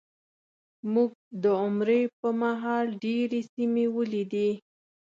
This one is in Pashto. موږ د عمرې په مهال ډېرې سیمې ولیدې.